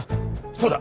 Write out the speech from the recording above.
そうだ。